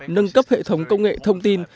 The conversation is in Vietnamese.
nâng cấp hệ thống công nghệ thông tin